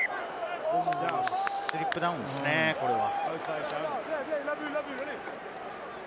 スリップダウンですね、これは。